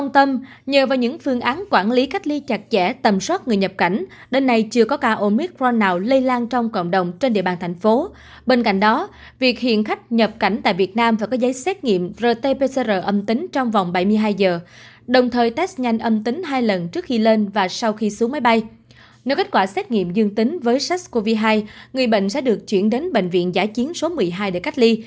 trong quá sát nghiệm dương tính với sars cov hai người bệnh sẽ được chuyển đến bệnh viện giải chiến số một mươi hai để cách ly